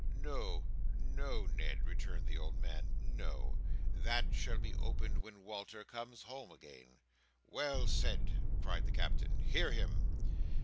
"No, no, Ned," returned the old man. "No! That shall be opened when Walter comes home again." "Well said!" cried the Captain. "Hear him!"